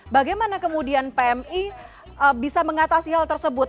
bagaimana kemudian pmi bisa mengatasi hal tersebut